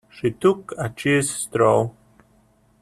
She took a cheese straw.